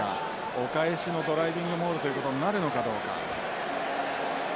お返しのドライビングモールということになるのかどうか。